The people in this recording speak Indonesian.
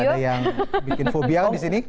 kan gak ada yang bikin fobia kan di sini